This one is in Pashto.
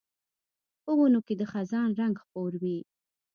په ونو کې د خزان رنګ خپور وي